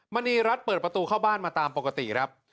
มณีรัฐเปิดประตูเข้าบ้านมาตามปกติครับ